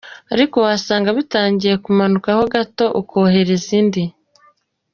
Ariko wasanga bitangiye kumanukaho gato ukohereza indi.